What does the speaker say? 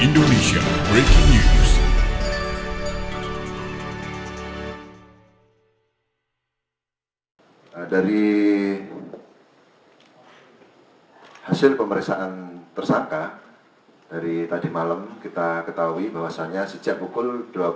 dari hasil pemeriksaan tersangka dari tadi malam kita ketahui bahwasannya sejak pukul